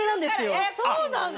あっそうなんだ！